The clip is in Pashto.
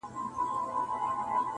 لکه ما چي خپل سکه وروڼه وژلي-